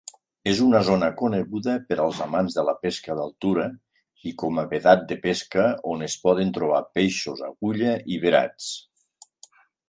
És una zona coneguda per als amants de la pesca d'altura i com a vedat de pesca on es poden trobar peixos agulla i verats.